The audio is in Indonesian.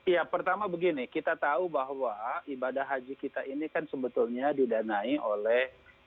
ya pertama begini kita tahu bahwa ibadah haji kita ini kan sebetulnya didanai oleh